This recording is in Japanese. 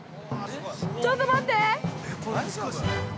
ちょっと待って！